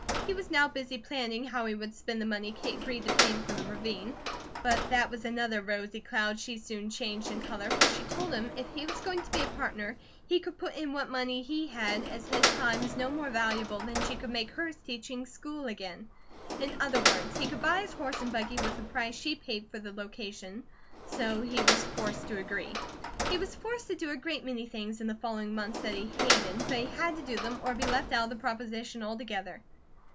He was now busy planning how he would spend the money Kate agreed to pay him for the ravine; but that was another rosy cloud she soon changed in colour, for she told him if he was going to be a partner he could put in what money he had, as his time was no more valuable than she could make hers teaching school again in other words, he could buy his horse and buggy with the price she paid for the location, so he was forced to agree. He was forced to do a great many things in the following months that he hated; but he had to do them or be left out of the proposition altogether.